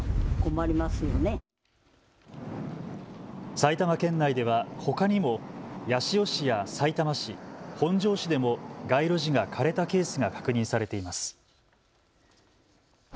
埼玉県内ではほかにも八潮市やさいたま市、本庄市でも街路樹が枯れたケースが確認されています。